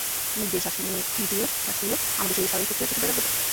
মুখ দিয়ে শ্বাসমুখ দিয়ে শ্বাস নিলে আমাদের শরীরের স্বাভাবিক প্রক্রিয়ায় কিছু ব্যাঘাত ঘটে।